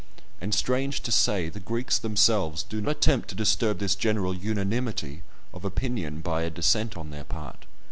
And strange to say, the Greeks themselves do not attempt to disturb this general unanimity of opinion by an dissent on their part.